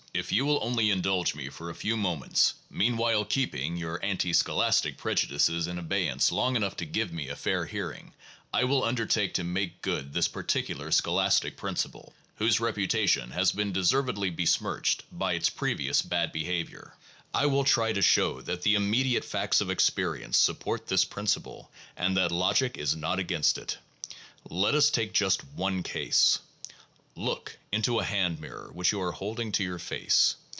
If you will only indulge me for a few moments, meanwhile keeping your antischolastic prejudices in abeyance long enough to give me a fair hearing, I will undertake to make good this particular scholastic principle, whose reputation has been deservedly besmirched by its previous bad behavior. I will try to show that the immediate facts of experience support this principle, and that logic is not against it. Let us take just one case. Look into a hand mirror which you are holding to your face.